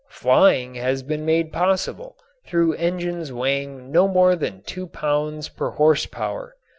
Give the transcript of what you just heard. Flying has been made possible through engines weighing no more than two pounds per horse power.